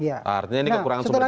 artinya ini kekurangan sumber daya